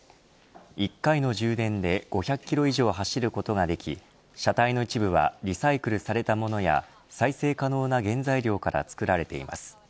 １回の充電で５００キロ以上走ることができ車体の一部はリサイクルされたものや再生可能な原材料から作られています。